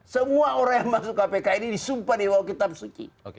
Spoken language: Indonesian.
semua orang yang masuk kpk ini disumpah di bawah kitab suci